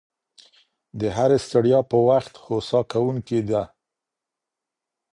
د هري ستړيا پر وخت هوسا کوونکې ده